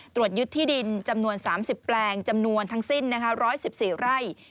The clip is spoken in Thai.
ตรวจยึดที่ดินจำนวน๓๐แปลงจำนวนทั้งสิ้น๑๑๔ไร่